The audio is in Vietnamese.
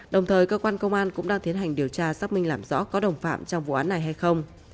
đồng thời cơ quan công an cũng đang tiến hành điều tra xác minh làm rõ có đồng phạm trong vụ án này hay không